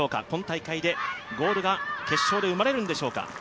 今大会でゴールが決勝で生まれるんでしょうか。